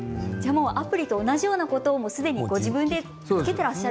アプリと同じようなことをご自分でつけてらっしゃる。